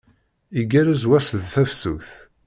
Igerrez wass d tafsut.